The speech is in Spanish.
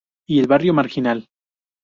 Y el barrio, marginal.